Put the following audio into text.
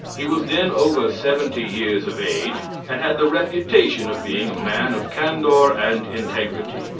He was then over seventy years of age, and had the reputation of being a man of candor and integrity.